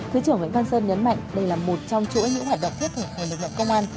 thứ trưởng nguyễn văn sơn nhấn mạnh đây là một trong chuỗi những hoạt động thiết thực của lực lượng công an